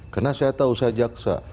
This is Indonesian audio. karena saya tahu saya jaksa